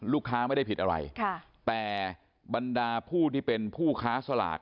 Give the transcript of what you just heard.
ไม่ได้ผิดอะไรแต่บรรดาผู้ที่เป็นผู้ค้าสลาก